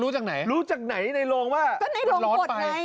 รู้จากไหนในโลงว่าก็ร้อนไป